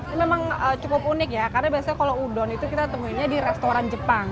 ini memang cukup unik ya karena biasanya kalau udon itu kita temuinnya di restoran jepang